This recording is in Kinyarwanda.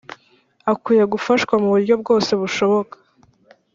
akwiye gufashwa mu buryo bwose bushoboka